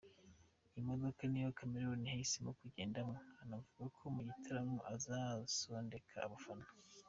Iyi modoka niyo Chameleone yahisemo kugendamo, anavuga ko mu gitaramo azasondeka abafana.